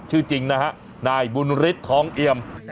ชื่อจริงนะฮะนายบุญฤทธิ์ทองเอี่ยม